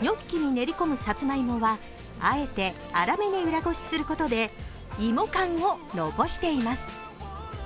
ニョッキに練り込むさつまいもは、あえて粗めに裏ごしすることで芋感を残しています。